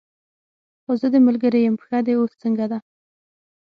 خو زه دې ملګرې یم، پښه دې اوس څنګه ده؟